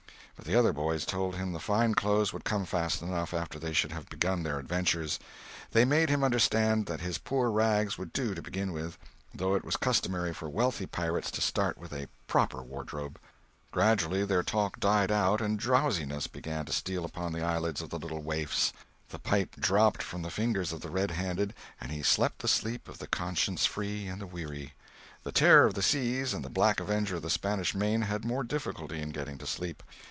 But the other boys told him the fine clothes would come fast enough, after they should have begun their adventures. They made him understand that his poor rags would do to begin with, though it was customary for wealthy pirates to start with a proper wardrobe. Gradually their talk died out and drowsiness began to steal upon the eyelids of the little waifs. The pipe dropped from the fingers of the Red Handed, and he slept the sleep of the conscience free and the weary. The Terror of the Seas and the Black Avenger of the Spanish Main had more difficulty in getting to sleep.